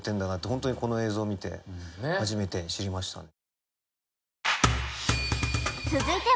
ホントにこの映像を見て初めて知りましたね。